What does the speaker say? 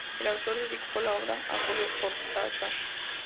El autor dedicó la obra a Julio Cortázar.